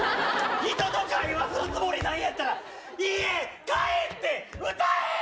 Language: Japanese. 人と会話するつもりないんやったら、家帰って歌えー！